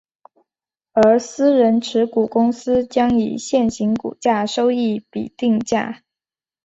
而私人持股公司将以现行股价收益比定价。